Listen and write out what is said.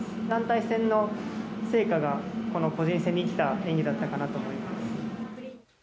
団体戦の成果が、この個人戦に生きた演技だったかなと思います。